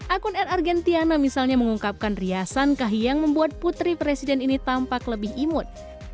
akun r argentiana misalnya mengungkapkan riasan kahiyang membuat putri presiden ini tampak lebih imut